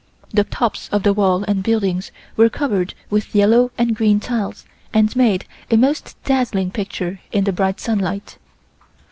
The tops of the wall and buildings were covered with yellow and green tiles and made a most dazzling picture in the bright sunlight.